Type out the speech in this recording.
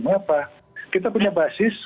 mengapa kita punya basis